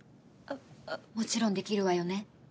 もちろんできるわよね？